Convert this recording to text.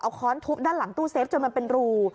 เอาค้อนทุบด้านหลังตู้เซฟจนมันเป็นรู